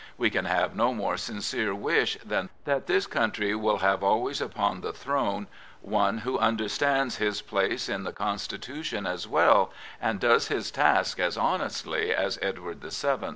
We can have no more sincere wish than that this country will have always upon the throne one who understands his place in the Constitution as well and does his task as honestly as Edward VII.